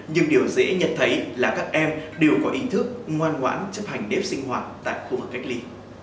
nhưng điều dễ nhận thấy là các em đều có ý thức ngoan ngoãn chấp hành nếp sinh hoạt tại khu vực cách ly